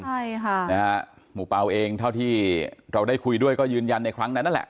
ใช่ค่ะนะฮะหมู่เปล่าเองเท่าที่เราได้คุยด้วยก็ยืนยันในครั้งนั้นนั่นแหละ